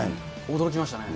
驚きましたね。